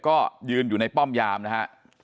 ก็ยืนอยู่ในป้อมยามนะฮะ